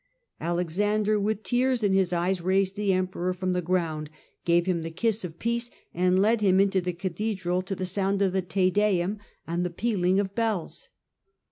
Alexander, with tears in his eyes, raised the Emperor from the ground, gave him the kiss of peace and led him into the cathedral, to the sound of the Te Deum and the pealing of bells.